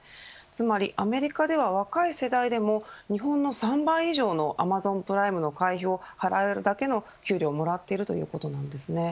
つまりアメリカでは若い世代でも日本の３倍以上のアマゾンプライムの会費を払えるだけの給料をもらっているということなんです。